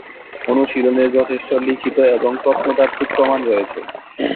অনুশীলনের যথেষ্ট লিখিত এবং প্রত্নতাত্ত্বিক প্রমাণ রয়েছে।